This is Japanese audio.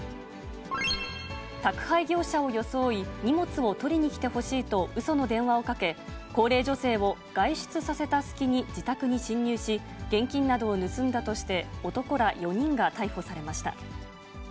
宅配業者を装い、荷物を取りにきてほしいとうその電話をかけ、高齢女性を外出させた隙に自宅に侵入し、現金などを盗んだとして、男ら４人が逮捕されました。